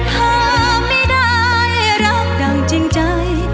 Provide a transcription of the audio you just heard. หาไม่ได้รักดังจริงใจ